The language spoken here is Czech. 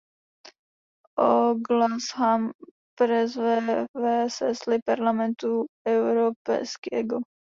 Ogłaszam przerwę w sesji Parlamentu Europejskiego.